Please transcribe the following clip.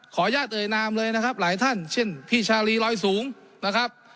ขอแยกแนะนำเลยนะครับหลายท่านเช่นพี่ชาลีรอยสูงนะครับ